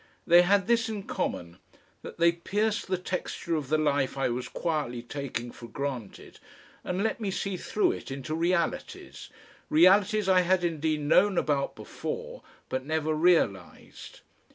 They had this in common, that they pierced the texture of the life I was quietly taking for granted and let me see through it into realities realities I had indeed known about before but never realised.